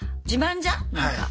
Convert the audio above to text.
自慢じゃん？